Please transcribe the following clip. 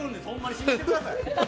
信じてください！